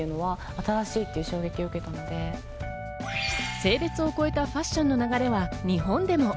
性別を越えたファッションの流れは日本でも。